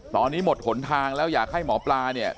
ตอนนี้หมดหนทางแล้วอยากให้หมอปลาเนี่ย